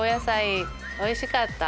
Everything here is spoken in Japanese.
「おいしかった？」